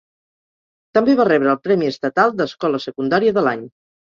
També va rebre el premi estatal d'"Escola secundària de l'any".